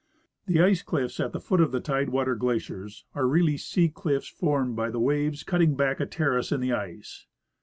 The ice cliffs at the foot of the tide water glaciers are really sea cliffs formed by the waves cutting back a terrace in the ice.